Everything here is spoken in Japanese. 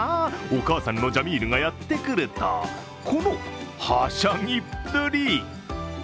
お母さんのジャミールがやってくると、このはしゃぎっぷり。